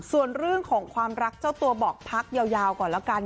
ส่วนเรื่องของความรักเจ้าตัวบอกพักยาวก่อนแล้วกัน